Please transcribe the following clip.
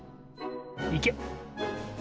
いけ！